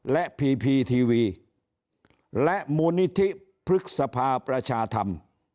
และพีพีทีวีและมูลนิธิพฤษภาประชาธรรม